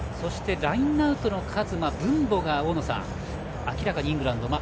ラインアウトの数分母が大野さん明らかにイングランドが。